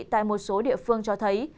tại một số địa phương cho thấy